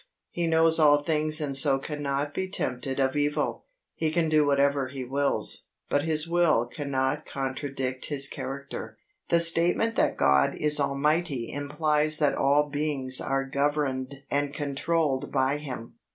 He knows all things and so cannot be tempted of evil. He can do whatever He wills, but His will cannot contradict His character. The statement that God is Almighty implies that all beings are governed and controlled by Him.